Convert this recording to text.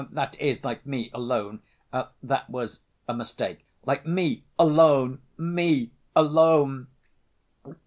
that is like me alone. That was a mistake, like me alone, me alone!...